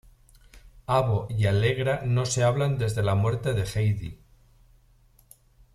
Avo y Allegra no se hablan desde la muerte de Heidi.